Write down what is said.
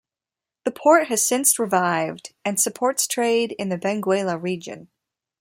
The port has since revived and supports trade in the Benguela region.